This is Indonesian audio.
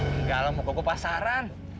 muka kamu pasaran